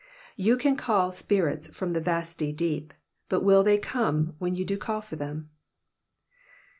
" You can call spirits from the vaflty deep. But will they come when you do call for them